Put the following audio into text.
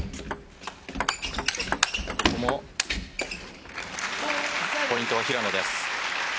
ここもポイントは平野です。